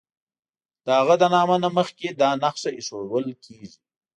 د هغه له نامه نه مخکې دا نښه ایښودل کیږي.